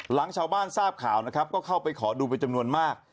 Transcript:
หลังชาวบ้านทราบข่าวนะครับก็เข้าไปขอดูเป็นจำนวนมาก